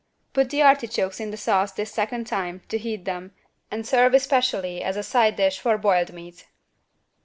Put the artichokes in the sauce this second time to heat them and serve especially as a side dish for boiled meat.